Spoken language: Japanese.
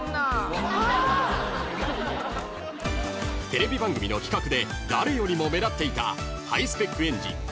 ［テレビ番組の企画で誰よりも目立っていたハイスペック園児かなでちゃんでした］